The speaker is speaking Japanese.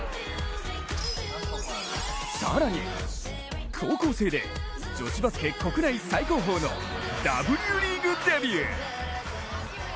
更に高校生で女子バスケ国内最高峰のＷリーグデビュー。